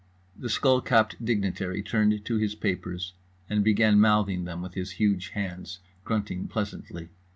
The skullcapped dignitary turned to his papers and began mouthing them with his huge hands, grunting pleasantly.